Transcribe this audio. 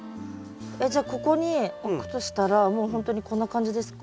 えっじゃあここに置くとしたらもうほんとにこんな感じですか？